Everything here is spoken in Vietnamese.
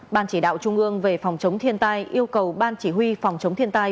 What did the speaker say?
ban chỉ đạo trung ương về phòng chống thiên tai yêu cầu ban chỉ huy phòng chống thiên tai